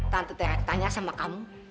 tante tanya sama kamu